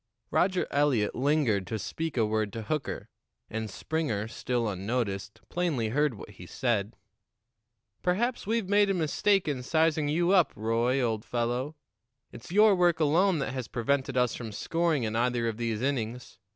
Roger Eliot lingered to speak a word to Hooker, and Springer, still unnoticed, plainly heard what he said. "Perhaps we've made a mistake in sizing you up, Roy, old fellow. It's your work alone that has prevented us from scoring in either of these innings.